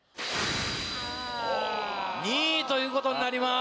２位ということになります。